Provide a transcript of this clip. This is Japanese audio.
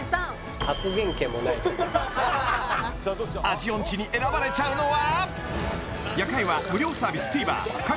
味オンチに選ばれちゃうのは？